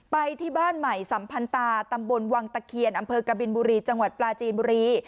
ไปที่บ้านใหม่สัมพันตาตำบลวังตะเคียนอำเภอกบินบุรีจังหวัดปลาจีนบุรี